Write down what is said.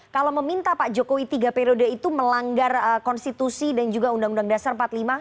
kalau meminta pak jokowi tiga periode itu melanggar konstitusi dan juga undang undang dasar